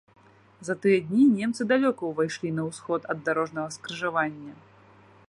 За тыя дні немцы далёка ўвайшлі на ўсход ад дарожнага скрыжавання.